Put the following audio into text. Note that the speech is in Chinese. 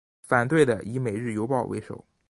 反对的以每日邮报为首。